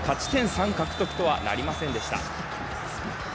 ３獲得とはなりませんでした。